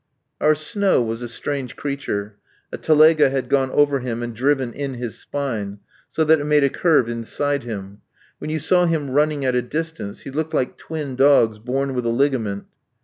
Our Snow was a strange creature. A telega had gone over him and driven in his spine, so that it made a curve inside him. When you saw him running at a distance, he looked like twin dogs born with a ligament.